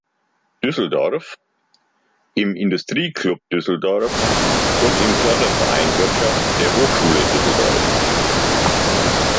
Düsseldorf, im Industrie-Club Düsseldorf und im Förderverein Wirtschaft der Hochschule Düsseldorf.